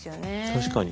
確かに。